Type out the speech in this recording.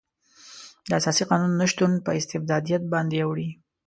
د اساسي قانون نشتون په استبدادیت باندې اوړي.